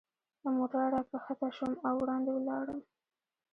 له موټره را کښته شوم او وړاندې ولاړم.